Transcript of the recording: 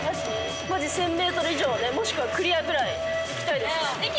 マジ１，０００ｍ以上もしくはクリアぐらいいきたいです。